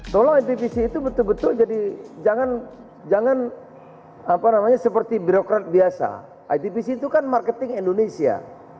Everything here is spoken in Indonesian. tolong itvc itu betul betul jadi jangan seperti birokrat biasa itpc itu kan marketing indonesia